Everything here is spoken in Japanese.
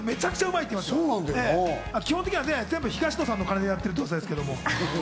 基本的には東野さんのお金でやってるってことですけど。